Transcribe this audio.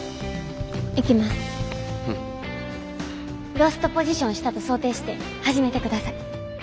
ロストポジションしたと想定して始めてください。